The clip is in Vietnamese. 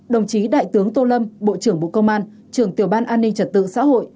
đồng chí đại tướng tô lâm bộ trưởng bộ công an trưởng tiểu ban an ninh trật tự xã hội